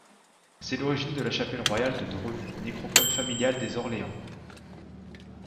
C'est l'origine de la chapelle royale de Dreux, nécropole familiale des Orléans.